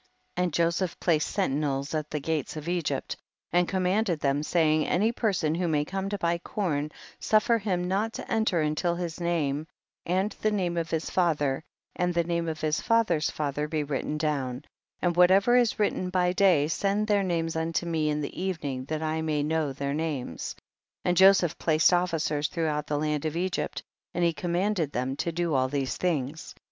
35. And Joseph placed sentinels at the gates of Egypt, and command ed them, saying, any person who may come to buy corn, suffer him not to enter imtil his name, and the name of his father, and the name of his father's father be written down, and whatever is written by day, send their names luito me in the evening that I may know their names. 36. And Joseph placed officers throughout the land of Egypt, and he commanded them to do all these things.